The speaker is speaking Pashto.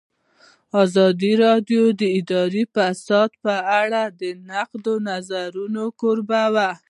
ازادي راډیو د اداري فساد په اړه د نقدي نظرونو کوربه وه.